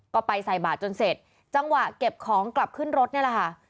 ก็ไปใส่บาทจนเสร็จจังหวะเก็บของกลับขึ้นรถนี่แหละค่ะ